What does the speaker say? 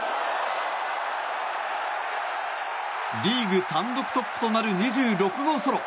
リーグ単独トップとなる２６号ソロ！